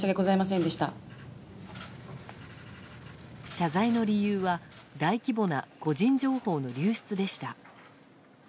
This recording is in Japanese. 謝罪の理由は大規模な個人情報の流出でした。